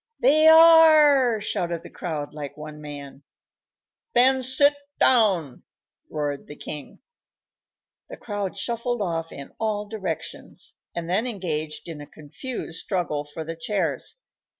"They are!" shouted the crowd, like one man. "Then sit down!" roared the king. The crowd shuffled off in all directions, and then engaged in a confused struggle for the chairs.